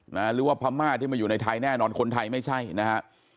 หรือว่าพม่าที่มาอยู่ในไทยแน่นอนคนไทยไม่ใช่นะฮะ